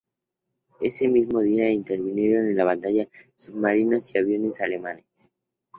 Ese mismo día intervinieron en la batalla submarinos y aviones alemanes.